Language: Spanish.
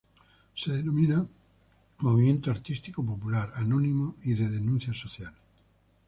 Se denomina movimiento artístico, popular, anónimo y de denuncia social.